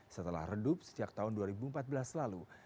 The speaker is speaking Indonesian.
setelah redup sejak tahun dua ribu empat belas lalu